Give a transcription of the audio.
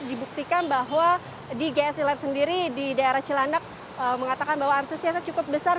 dibuktikan bahwa di gsi lab sendiri di daerah cilandak mengatakan bahwa antusiasnya cukup besar